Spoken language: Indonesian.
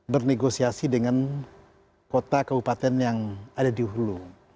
bernegosiasi dengan kota kabupaten yang ada di hulu